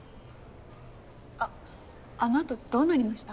あっあの後どうなりました？